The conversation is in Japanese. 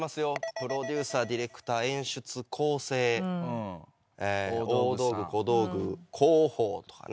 プロデューサーディレクター演出構成大道具小道具広報とかね。